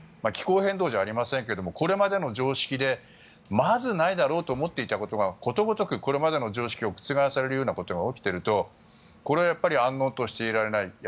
気候変動じゃありませんけどこれまでの常識でまず、ないだろうと思っていたことがことごとくこれまでの常識を覆されるようなことが起きているとこれはあんのんとしていられない。